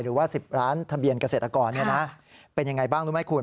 หรือว่า๑๐ล้านทะเบียนเกษตรกรเป็นยังไงบ้างรู้ไหมคุณ